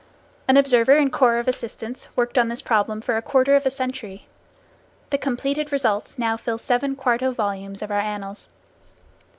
An observer and corps of assistants worked on this problem for a quarter of a century. The completed results now fill seven quarto volumes of our annals.